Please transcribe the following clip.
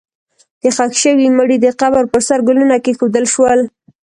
د ښخ شوي مړي د قبر پر سر ګلونه کېښودل شول.